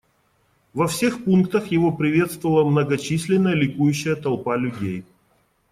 Во всех пунктах его приветствовала многочисленная ликующая толпа людей.